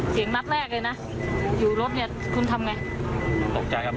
นัดแรกเลยนะอยู่รถเนี่ยคุณทำไงตกใจครับ